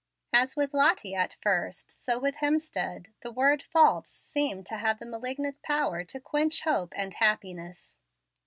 As with Lottie at first, so with Hemstead, the word false seemed to have the malignant power to quench hope and happiness.